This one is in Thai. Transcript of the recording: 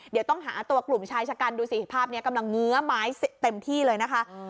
เดี๋ยวต้องหาตัวกลุ่มชายชะกันดูสิภาพนี้กำลังเงื้อไม้เต็มที่เลยนะคะ